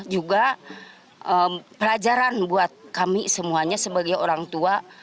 juga pelajaran buat kami semuanya sebagai orang tua